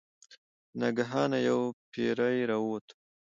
ناګهانه یو پیری راووت.